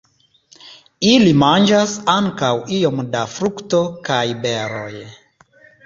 Ili manĝas ankaŭ iom da frukto kaj beroj.